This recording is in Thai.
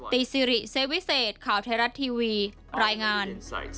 ซิริเซวิเศษข่าวไทยรัฐทีวีรายงาน